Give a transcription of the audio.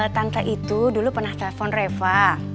tante itu dulu pernah telpon reva